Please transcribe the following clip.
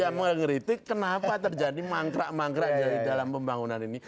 ya mengkritik kenapa terjadi mangkrak mangkrak dalam pembangunan ini